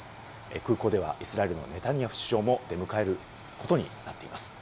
空港ではイスラエルのネタニヤフ首相も出迎えることになっています。